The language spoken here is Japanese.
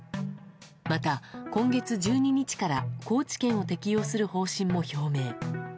また今月１２日から、高知県も適用する方針も表明。